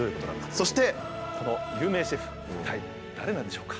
そしてこの有名シェフ一体誰なんでしょうか？